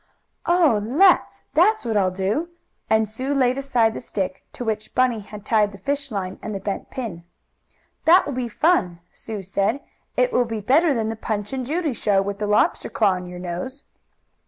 "Oh, let's! That's what I'll do!" and Sue laid aside the stick to which Bunny had tied the fishline and the bent pin. "That will be fun!" Sue said. "It will be better than the Punch and Judy show with the lobster claw on your nose."